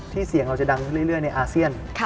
เสียงเราจะดังเรื่อยในอาเซียน